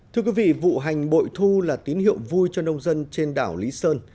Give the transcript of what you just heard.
thưa quý vị vụ hành bội thu là tín hiệu vui cho nông dân trên đảo lý sơn